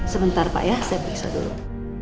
sebentar pak ya saya periksa dulu